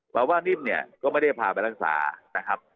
เพราะว่านิ่มเนี่ยก็ไม่ได้พาไปรักษานะครับ